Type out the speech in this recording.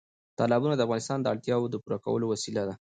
تالابونه د افغانانو د اړتیاوو د پوره کولو وسیله ده.